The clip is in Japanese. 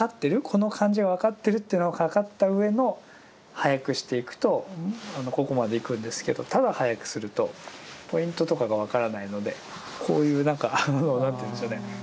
この感じが分かってるというのをかかったうえの速くしていくとここまで行くんですけどただ速くするとポイントとかが分からないのでこういう何か何ていうんでしょうね。